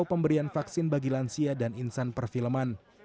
pemberian vaksin bagi lansia dan insan perfilman